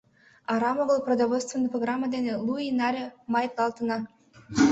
Арам огыл Продовольственный программе дене лу ий наре маитлалтына.